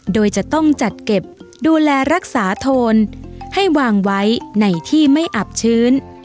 โดยจะต้องจัดเก็บดูแลรักษาโทนให้วางไว้ในที่ไม่อับชื้น